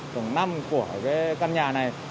tầng năm của căn nhà này